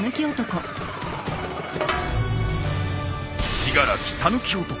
信楽たぬき男